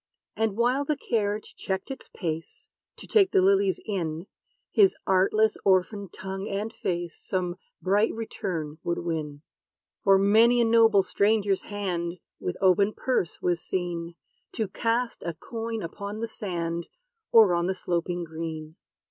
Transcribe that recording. And while the carriage checked its pace, To take the lilies in, His artless orphan tongue and face Some bright return would win. For many a noble stranger's hand, With open purse, was seen, To cast a coin upon the sand, Or on the sloping green.